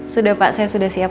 sudah pak saya sudah siap